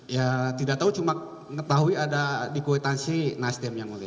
ya tidak tahu cuma mengetahui ada di kuitansi nasdem yang mulia